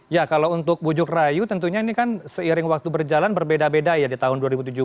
ya kalau untuk bujuk rayu tentunya ini kan seiring waktu berjalan berbeda beda ya di tahun dua ribu tujuh belas